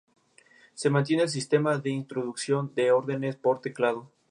Se mantiene el sistema de introducción de órdenes por teclado.